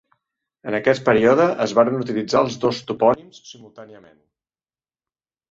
En aquest període, es varen utilitzar els dos topònims simultàniament.